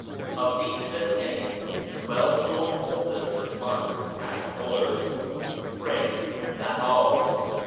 Of these thirty names twelve belong also to the months, as follows :— Spring (Bahdr).